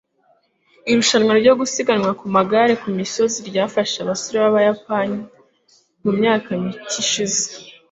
irushanwa ryo gusiganwa ku magare ku misozi ryafashe abasore b'abayapani mu myaka mike ishize